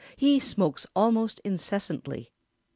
He smokes almost incessantly.